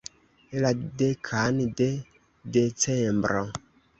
La dekan de Decembro!